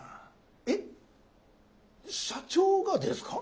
えっ？社長がですか？